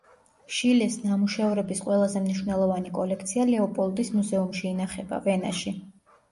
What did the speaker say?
შილეს ნამუშევრების ყველაზე მნიშვნელოვანი კოლექცია ლეოპოლდის მუზეუმში ინახება, ვენაში.